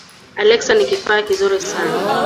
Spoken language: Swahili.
Alexa ni kifaa kizuri sana